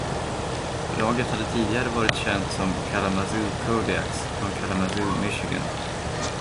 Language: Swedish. Laget hade tidigare varit känt som Kalamazoo Kodiaks, från Kalamazoo, Michigan.